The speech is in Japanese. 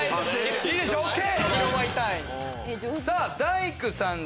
いいでしょう！ＯＫ！